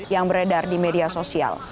yang beredar di media sosial